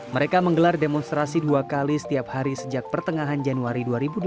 mereka menggelar demonstrasi dua kali setiap hari sejak pertengahan januari dua ribu dua puluh